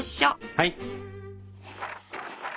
はい。